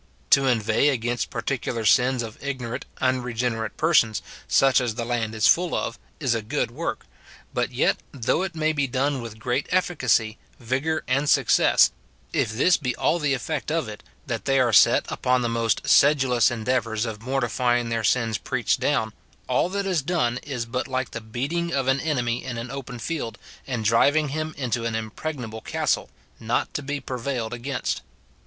To inveigh against particular sins of ignorant, unregenerate persons, such as the land is full of, is a good work ; but yet, though it may be done with great efficacy, vigour, and success, if this be all the effect of it, that they are set upon the most sedulous endeavours of mortifying their sins preached down, all that is done is but like the beat ing of an enemy in an open field, and driving him into an impregnable castle, not to be prevailed against.